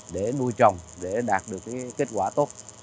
để nuôi trồng để đạt được kết quả tốt